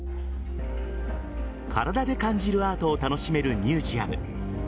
体で感じるアートを楽しめるミュージアム。